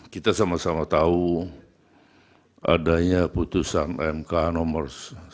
kita sama sama tahu adanya putusan mk nomor satu